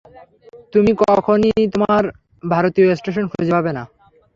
তুমি কখনই তোমার ভারতীয় স্টেশন খুঁজে পাবে না।